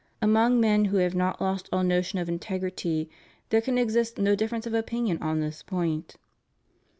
Among men who have not lost all notion of integrity there can exist no difference of opinion on this point.